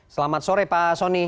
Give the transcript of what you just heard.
selamat sore pak soni